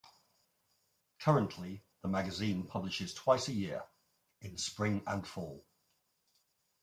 Currently the magazine publishes twice a year, in spring and fall.